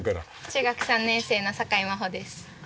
中学３年生の酒井真秀です。